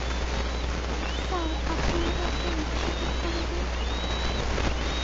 Sir, আপনি আমাকে একটা রিকশা ঠিক করে দিন।